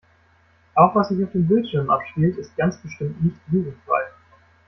Auch was sich auf den Bildschirmen abspielt, ist ganz bestimmt nicht jugendfrei.